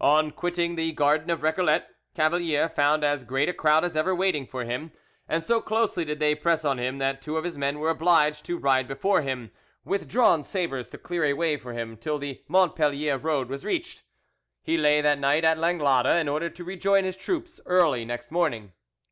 On quitting the garden of the Recollets, Cavalier found as great a crowd as ever waiting for him, and so closely did they press on him that two of his men were obliged to ride before him with drawn sabres to clear a way for him till the Montpellier road was reached. He lay that night at Langlade, in order to rejoin his troops early next morning.